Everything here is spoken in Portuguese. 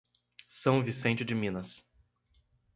São Vicente de Minas